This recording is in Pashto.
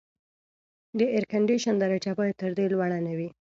د اېرکنډیشن درجه باید تر دې لوړه نه وي.